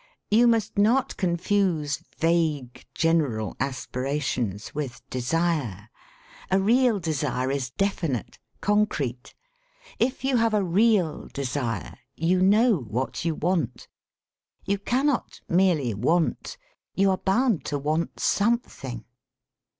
You must not con fuse vague, general aspirations with desire. A real desire is definite, concrete. If you have a real desire, you know what you want. You cannot merely want — ^you are bound to want something.